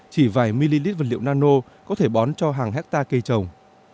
chỉ vài millilit vật liệu nano có thể bón cho hàng hectare cây trồng